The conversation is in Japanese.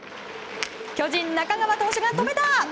巨人、中川投手が止めた！